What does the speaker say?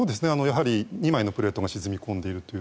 ２枚のプレートが沈み込んでいるという。